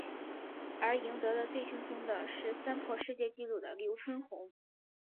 而赢得最轻松的是三破世界纪录的刘春红。